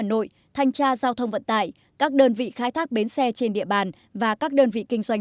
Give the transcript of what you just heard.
nội thanh tra giao thông vận tải các đơn vị khai thác bến xe trên địa bàn và các đơn vị kinh doanh